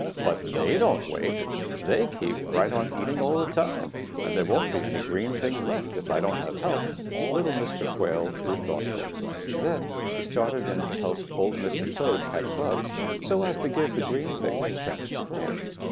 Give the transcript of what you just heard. But they don't wait. They keep right on eating all the time, and there won't be any green things left if I don't have help.' [Illustration: 0153] "Little Mr. Quail grew thoughtful. Then he started in to help Old Mr. Toad catch bugs so as to give the green things a chance to grow.